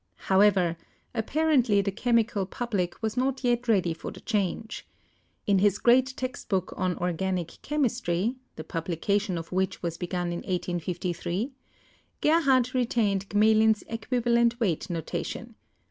However, appar ently the chemical public was not yet ready for the change. In his great text book on organic chemistry, the publica tion of which was begun in 1853, Gerhardt retained Gmelin's equivalent weight notation.